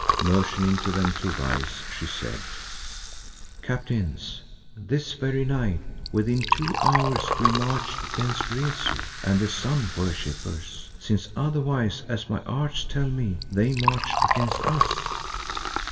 Motioning to them to rise she said, "Captains, this very night within two hours we march against Rezu and the sun worshippers, since otherwise as my arts tell me, they march against us.